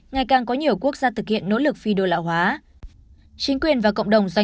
ngày càng có nhiều quốc gia thực hiện nỗ lực phi đô lão hóa chính quyền và cộng đồng doanh